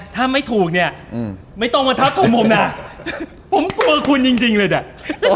ถ้าไม่ถูกเนี่ยไม่ต้องมาทับถมผมนะผมกลัวคุณจริงเลยเนี่ย